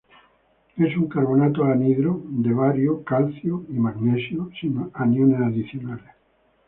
Es un carbonato anhidro de bario, calcio y magnesio, sin aniones adicionales.